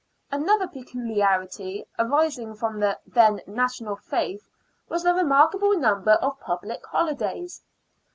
Another peculiarity arising from the then national faith was the remarkable number of public holidays.